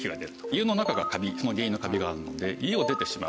家の中がカビその原因のカビがあるので家を出てしまう。